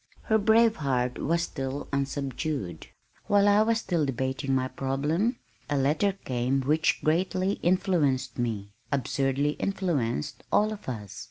Her brave heart was still unsubdued. While I was still debating my problem, a letter came which greatly influenced me, absurdly influenced all of us.